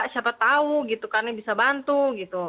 siapa tahu gitu karena bisa bantu gitu